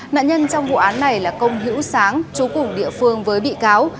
nạn nhân trong vụ án này là công hữu sáng chú củng địa phương với bị cáo